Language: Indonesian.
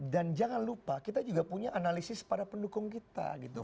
dan jangan lupa kita juga punya analisis pada pendukung kita gitu